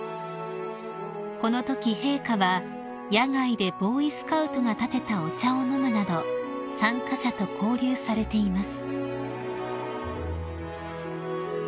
［このとき陛下は野外でボーイスカウトがたてたお茶を飲むなど参加者と交流されています］